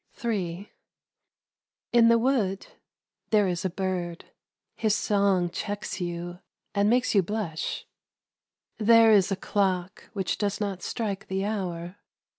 85 Three Prose Poems. II. IN the wood there is a bird ; bis song checks you and makes you blush. There is :i clock which does not strike the hour.